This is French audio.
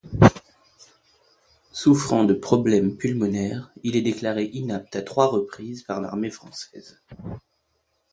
Souffrant de problèmes pulmonaires, il est déclaré inapte à trois reprises par l'armée française.